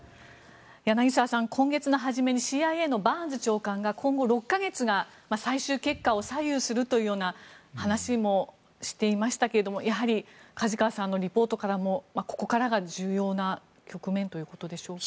柳澤さん、今月の初めにＣＩＡのバーンズ長官が今後６か月が最終結果を左右するというような話もしていましたがやはり梶川さんのリポートからもここからが重要な局面ということでしょうか。